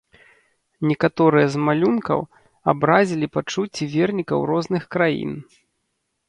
Некаторыя з малюнкаў абразілі пачуцці вернікаў розных краін.